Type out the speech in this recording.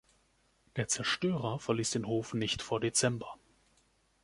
Der Zerstörer verließ den Hof nicht vor Dezember.